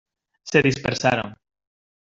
se dispersaron.